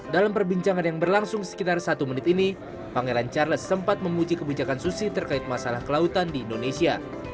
dalam perbincangan yang berlangsung sekitar satu menit ini pangeran charles sempat memuji kebijakan susi terkait masalah kelautan di indonesia